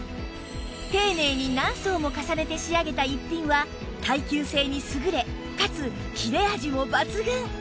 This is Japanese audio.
丁寧に何層も重ねて仕上げた逸品は耐久性に優れかつ切れ味も抜群！